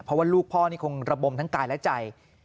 เพราะว่าลูกพ่อนี่คงระบมทั้งกายและใจ